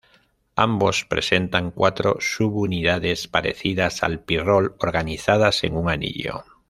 Ambos presentan cuatro subunidades parecidas al pirrol, organizadas en un anillo.